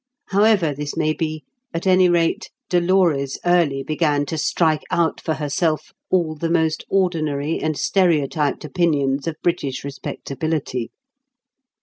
However this may be, at any rate, Dolores early began to strike out for herself all the most ordinary and stereotyped opinions of British respectability.